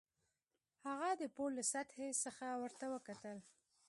هغه د پوړ له سطحې څخه ورته وکتل